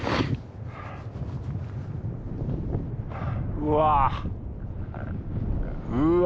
うわうわ！